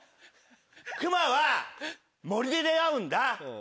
クマは森で出合うんだ。